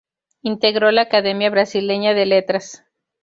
Integró la Academia Brasileña de Letras.